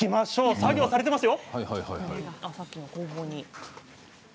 作業されていますよ。